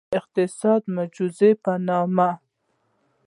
د اقتصادي معجزې په نوم.